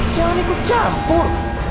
jangan ikut campur